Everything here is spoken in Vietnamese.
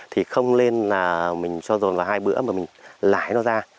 thì không nên là mình cho dồn vào hai bữa mà mình lái nó ra